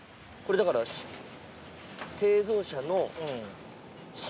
これだから製造者の。